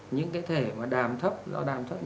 những cái thể mà đàm thấp do đàm thấp nhiệt